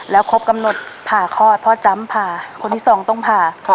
แล้วครบกำหนดผ่าคลอดพ่อจ้ำผ่าคนที่สองต้องผ่า